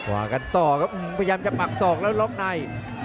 ว่ากันต่อครับพยายามจะปักศอกแล้วล็อกใน